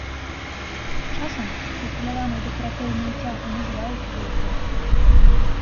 Часам прафіляваную дэкаратыўную цягу называюць гуртам.